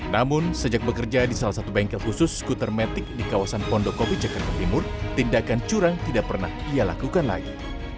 namun sejak bekerja di salah satu bengkel khusus skuter metik di kawasan pondokopi jakarta timur tindakan curang tidak pernah ia lakukan lagi